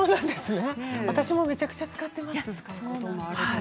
私もめちゃくちゃ使っています。